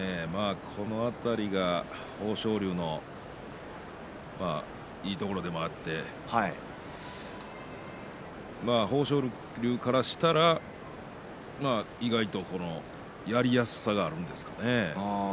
この辺り豊昇龍のいいところでもあって豊昇龍からしたら意外とやりやすさなんですかね。